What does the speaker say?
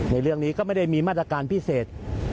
ในเรื่องนี้ก็ไม่ได้มีมาตรการพิเศษ